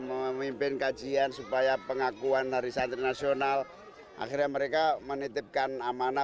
memimpin kajian supaya pengakuan hari santri nasional akhirnya mereka menitipkan amanah